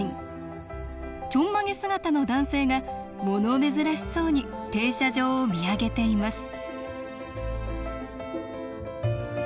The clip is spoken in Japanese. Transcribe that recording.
ちょんまげ姿の男性が物珍しそうに停車場を見上げています